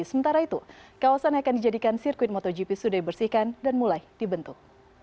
sementara itu kawasan yang akan dijadikan sirkuit motogp sudah dibersihkan dan mulai dibentuk